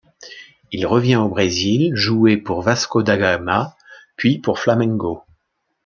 Il revient au Brésil, jouer pour Vasco da Gama puis pour Flamengo.